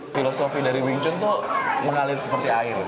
filosofi dari wing chun itu mengalir seperti air